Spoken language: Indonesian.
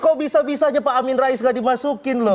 kok bisa bisa aja pak amin rais gak dimasukin loh